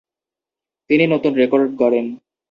তিনি নতুন রেকর্ড গড়েন।